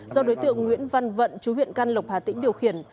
do đối tượng nguyễn văn vận chú huyện căn lộc hà tĩnh điều khiển